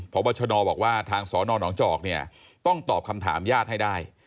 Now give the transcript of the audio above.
เพราะวัชนอบอกว่าทางสนนจต้องตอบคำถามญาติให้ได้